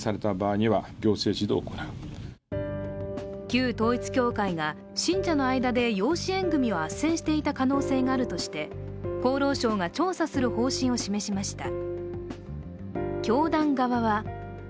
旧統一教会が信者の間で養子縁組をあっせんしていた可能性があるとして、厚労省が調査する方針を示しました。